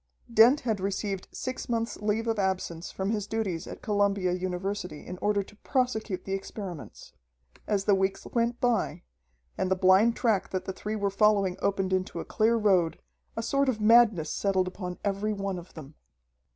Dent had received six months' leave of absence from his duties at Columbia University in order to prosecute the experiments. As the weeks went by, and the blind track that the three were following opened into a clear road, a sort of madness settled upon every one of them.